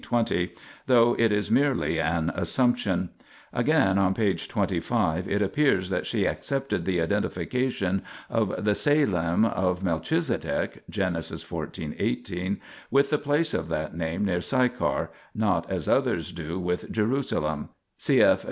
20), though it is merely an assumption. Again, on p. 25, it appears that she accepted the identification of the Salem of Melchizedek (Gen. xiv. 18) with the place of that name near Sychar, not as others do with Jerusalem (cf.